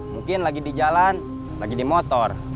mungkin lagi di jalan lagi di motor